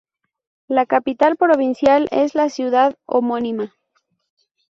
La capital provincial es la ciudad homónima.